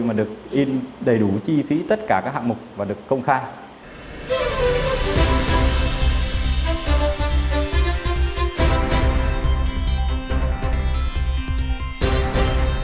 mà được in đầy đủ chi phí tất cả các hạng mục và được công khai